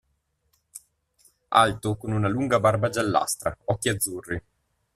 Alto, con una lunga barba giallastra, occhi azzurri.